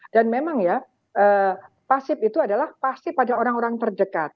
dan memang ya pasif itu adalah pasif pada orang orang terdekat